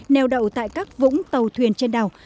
neo đậu tại các vũng tàu thuyền trên đảo